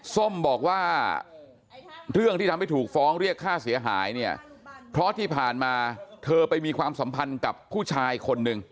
ส้มบอกว่าเรื่องที่ทำให้ถูกฟ้องเรียกค่าเสียหายเนี่ยเพราะที่ผ่านมาเธอไปมีความสัมพันธ์กับผู้ชายคนหนึ่ง